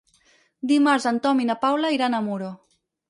Dimarts en Tom i na Paula iran a Muro.